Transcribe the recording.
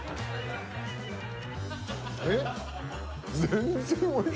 えっ？